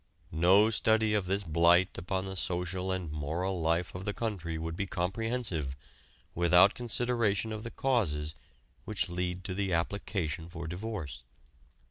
No study of this blight upon the social and moral life of the country would be comprehensive without consideration of the causes which lead to the application for divorce.